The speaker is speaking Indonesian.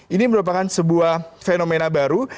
ini merupakan sebuah fenomena baru